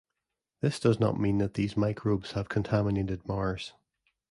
This does not mean that these microbes have contaminated Mars.